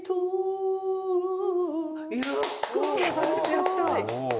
やったー！